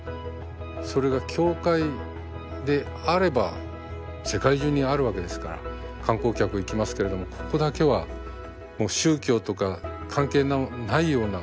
それが教会であれば世界中にあるわけですから観光客行きますけれどもここだけは宗教とか関係のないような異教徒の人も来ますしね。